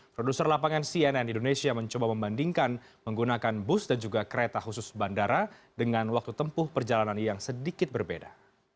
produser lapangan cnn indonesia mencoba membandingkan menggunakan bus dan juga kereta khusus bandara dengan waktu tempuh perjalanan yang sedikit berbeda